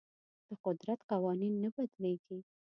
د قدرت قوانین نه بدلیږي.